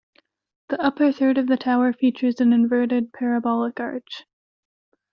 The upper third of the tower features an inverted parabolic arch.